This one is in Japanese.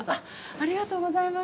◆ありがとうございます。